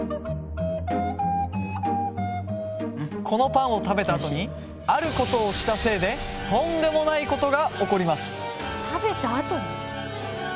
このパンを食べたあとにあることをしたせいでとんでもないことが起こります